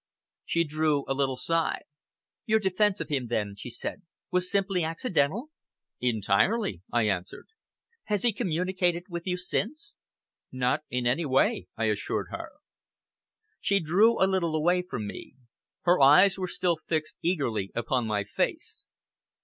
She drew a little sigh. "Your defence of him then," she said, "was simply accidental?" "Entirely!" I answered. "Has he communicated with you since?" "Not in any way," I assured her. She drew a little away from me. Her eyes were still fixed eagerly upon my face.